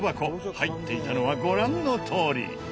入っていたのはご覧のとおり。